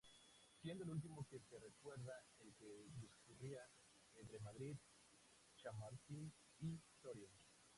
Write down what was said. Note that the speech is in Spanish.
Siendo el último que se recuerda el que discurría entre Madrid-Chamartín y Soria.